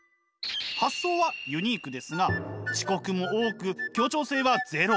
発想はユニークですが遅刻も多く協調性はゼロ。